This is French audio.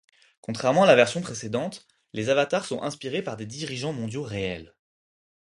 Contrairement à la version précédente, les avatars sont inspirés par des dirigeants mondiaux réels.